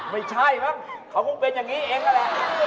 ไม่ใช่มั้งเขาคงเป็นอย่างนี้เองนั่นแหละ